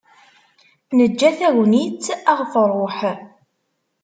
Neǧǧa tagnit ad ɣ-truḥ.